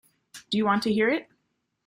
Do you want to hear it?